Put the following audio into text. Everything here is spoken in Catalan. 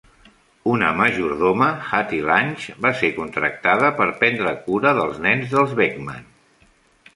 Una majordoma, Hattie Lange, va ser contractada per prendre cura dels nens dels Beckman.